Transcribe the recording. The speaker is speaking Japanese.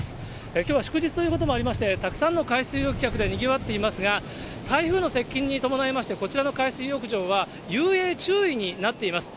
きょうは祝日ということもありまして、たくさんの海水浴客でにぎわっていますが、台風の接近に伴いまして、こちらの海水浴場は、遊泳注意になっています。